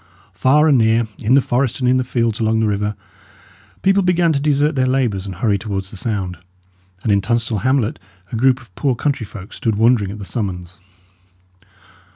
Far and near, in the forest and in the fields along the river, people began to desert their labours and hurry towards the sound; and in Tunstall hamlet a group of poor country folk stood wondering at the summons.